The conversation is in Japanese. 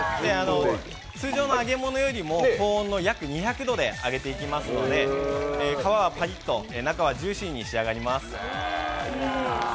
通常の揚げ物よりも高温の約２００度で揚げていきますので皮はパリッと、中はジューシーに仕上がります。